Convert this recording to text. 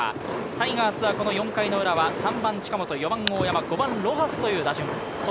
タイガースは４回の裏は３番・近本、４番・大山、５番・ロハスという打順。